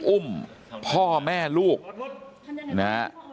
อุ้มพ่อแม่ลูกนะฮะ